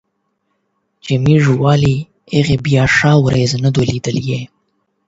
چي موږ وهلي هغوی بیا ښه ورځ نه ده لیدلې